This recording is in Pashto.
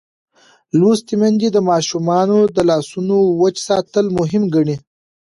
لوستې میندې د ماشومانو د لاسونو وچ ساتل مهم ګڼي.